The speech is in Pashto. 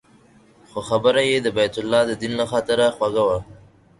خو خبره یې د بیت الله دیدن له خاطره خوږه وه.